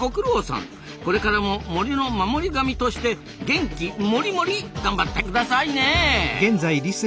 これからも森の守り神として元気モリモリ頑張ってくださいね！